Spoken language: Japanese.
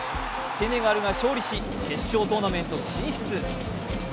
セネガルが勝利し、決勝トーナメント進出。